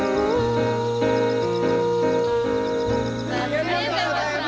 ありがとうございます。